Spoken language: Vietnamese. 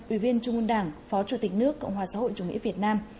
ủy viên trung ương đảng phó chủ tịch nước cộng hòa xã hội chủ nghĩa việt nam